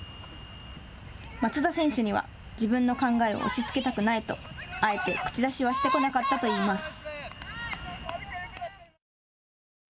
松田選手には自分の考えを押しつけたくないとあえて口出しはしてこなかったといいます。